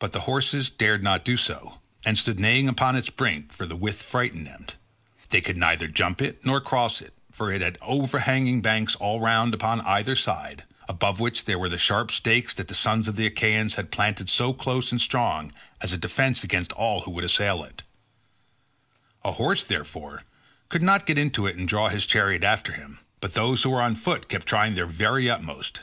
But the horses dared not do so, and stood neighing upon its brink, for the width frightened them. They could neither jump it nor cross it, for it had overhanging banks all round upon either side, above which there were the sharp stakes that the sons of the Achaeans had planted so close and strong as a defence against all who would assail it; a horse, therefore, could not get into it and draw his chariot after him, but those who were on foot kept trying their very utmost.